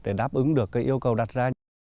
để đáp ứng được các yêu cầu đặt ra